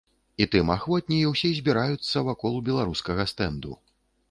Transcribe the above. І тым ахвотней усе збіраюцца вакол беларускага стэнду.